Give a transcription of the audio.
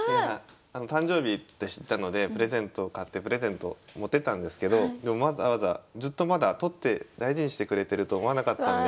誕生日って知ったのでプレゼントを買ってプレゼントを持っていったんですけどでもわざわざずっとまだ取って大事にしてくれてると思わなかったんで。